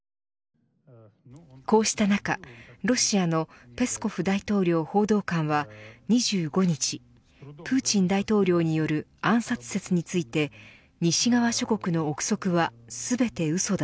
こうした中、ロシアのペスコフ大統領報道官は２５日プーチン大統領による暗殺説について西側諸国の憶測は全てうそだ。